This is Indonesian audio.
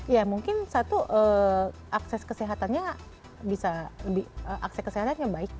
ya mungkin satu akses kesehatannya bisa lebih akses kesehatannya baik